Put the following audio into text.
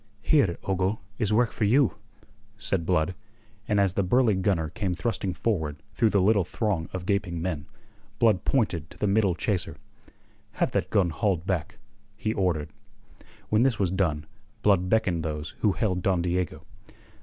"Here, Ogle, is work for you," said Blood, and as the burly gunner came thrusting forward through the little throng of gaping men, Blood pointed to the middle chaser; "Have that gun hauled back," he ordered. When this was done, Blood beckoned those who held Don Diego.